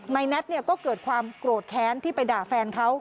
แมทก็เกิดความโกรธแค้นที่ไปด่าแฟนเขา